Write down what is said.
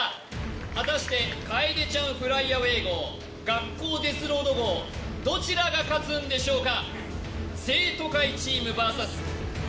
果たして楓ちゃんｆｌｙａｗａｙ号、学校デスロード号、どちらが勝つんでしょうか。